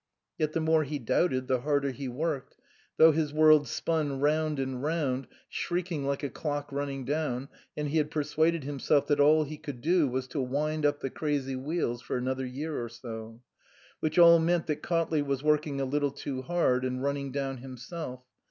Yet the more he doubted the harder he worked ; though his world spun round and round, shrieking like a clock running down, and he had persuaded him self that all he could do was to wind up the crazy wheels for another year or so. Which all meant that Cautley was working a little too hard and running down himself.